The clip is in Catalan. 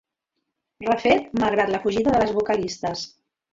Refet malgrat la fugida de les vocalistes.